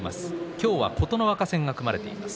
今日は琴ノ若戦が組まれています。